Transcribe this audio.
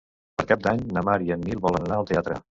Per Cap d'Any na Mar i en Nil volen anar al teatre.